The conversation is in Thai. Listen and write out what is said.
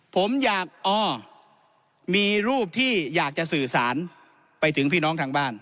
ผมอยากอ๋อมีรูปที่อยากจะสื่อสารไปถึงพี่น้องทางบ้าน